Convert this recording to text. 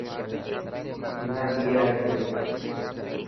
منا ٻي آئي پيو.